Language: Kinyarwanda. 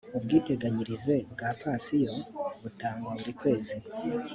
ubwiteganyirize bwa pansiyo butangwa buri kwezi